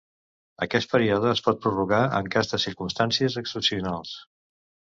Aquest període es pot prorrogar en cas de circumstàncies excepcionals.